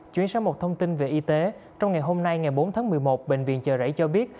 chuyển sang một thông tin về y tế trong ngày hôm nay ngày bốn tháng một mươi một bệnh viện chợ rẫy cho biết